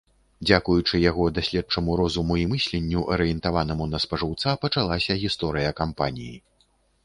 Дзякуючы яго даследчаму розуму і мысленню, арыентаванаму на спажыўца пачалася гісторыя кампаніі.